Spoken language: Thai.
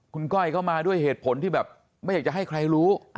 คุณก้อยก็มาด้วยเหตุผลที่แบบไม่อยากจะให้ใครรู้